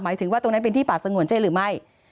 ถึงว่าตรงนั้นเป็นที่ป่าสงวนใช่หรือไม่